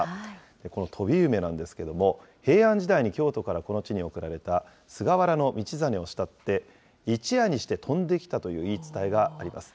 この飛梅なんですけれども、平安時代に京都からこの地に送られた、菅原道真を慕って、一夜にして飛んできたという言い伝えがあります。